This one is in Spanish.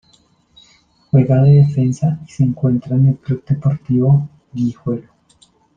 Juega de defensa y se encuentra en el Club Deportivo Guijuelo.